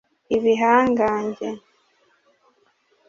ibihangange